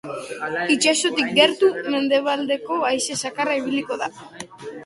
Itsasotik gertu, mendebaldeko haize zakarra ibiliko da.